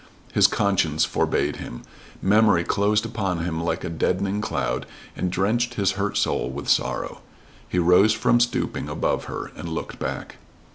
His conscience forbade him. Memory closed upon him like a deadening cloud and drenched his hurt soul with sorrow. He rose from stooping above her and looked back.